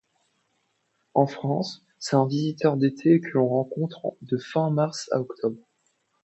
En France, c'est un visiteur d'été que l'on rencontre de fin mars à octobre.